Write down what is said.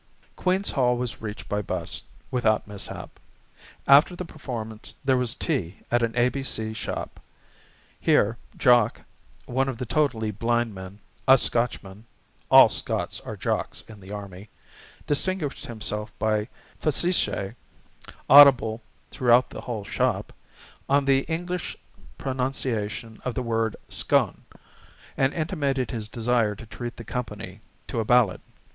Queen's Hall was reached, by bus, without mishap. After the performance there was tea at an A.B.C. shop. Here Jock, one of the totally blind men, a Scotchman all Scots are "Jocks" in the army distinguished himself by facetiæ (audible throughout the whole shop) on the English pronunciation of the word 'scone,' and intimated his desire to treat the company to a ballad.